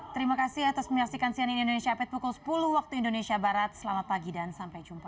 terima kasih atas menyaksikan cnn indonesia update pukul sepuluh waktu indonesia barat selamat pagi dan sampai jumpa